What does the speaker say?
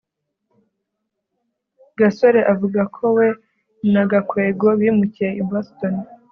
gasore avuga ko we na gakwego bimukiye i boston